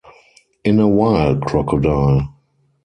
In a while, crocodile.